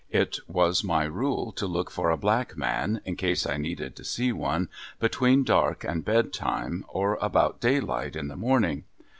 It was my rule to look for a black man in case I needed to see one between dark and bed time or about daylight in the morning.